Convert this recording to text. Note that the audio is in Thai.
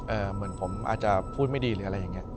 เหมือนผมอาจจะพูดไม่ดีหรืออะไรอย่างนี้